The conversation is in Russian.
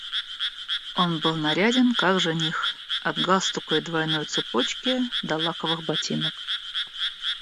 Он был наряден, как жених, от галстука и двойной цепочки до лаковых ботинок.